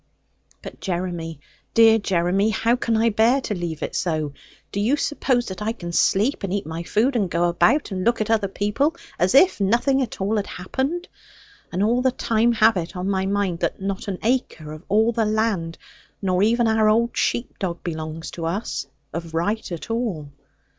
'But Jeremy, dear Jeremy, how can I bear to leave it so? Do you suppose that I can sleep, and eat my food, and go about, and look at other people, as if nothing at all had happened? And all the time have it on my mind, that not an acre of all the land, nor even our old sheep dog, belongs to us, of right at all!